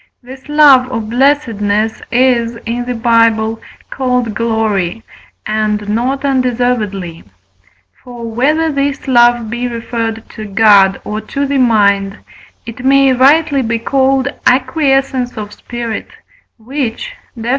This love or blessedness is, in the Bible, called Glory, and not undeservedly. For whether this love be referred to God or to the mind, it may rightly be called acquiescence of spirit, which (Def.